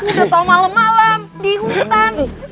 udah tau malem malem di hutan